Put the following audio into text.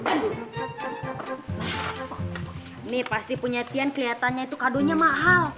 ini pasti punya tian keliatannya itu kado nya mahal